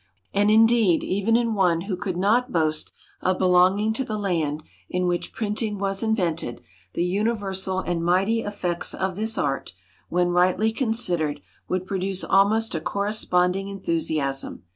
"And, indeed, even in one who could not boast of belonging to the land in which printing was invented, the universal and mighty effects of this art, when rightly considered, would produce almost a corresponding enthusiasm.